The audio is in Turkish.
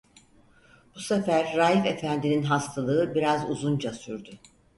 Bu sefer Raif efendinin hastalığı biraz uzunca sürdü.